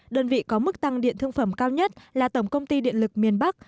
đơn vị có mức tăng điện thương phẩm cao nhất là tổng công ty điện lực miền bắc